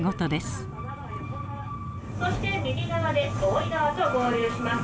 そして右側で大井川と合流します。